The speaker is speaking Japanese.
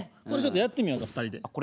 これちょっとやってみようか２人で。